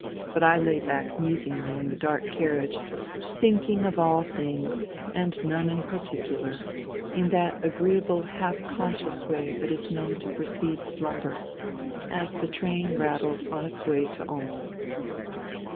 But I lay back musingly in the dark carriage, thinking of all things and none in particular, in that agreeable half conscious way that is known to precede slumber, as the train rattled on its way to Omsk.